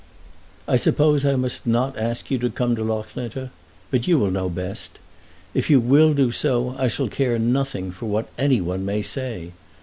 I suppose I must not ask you to come to Loughlinter? But you will know best. If you will do so I shall care nothing for what any one may say.